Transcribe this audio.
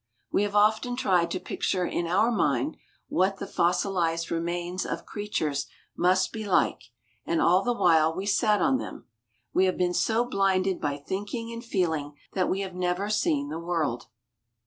We have often tried to picture in our mind what the fossilized remains of creatures must be like, and all the while we sat on them. We have been so blinded by thinking and feeling that we have never seen the world.